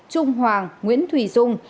trung hoàng nguyễn thủy dung